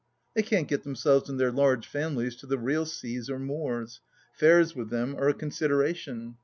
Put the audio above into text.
They can't get themselves and their large families to the real seas or moors ; fares with them are a consideration.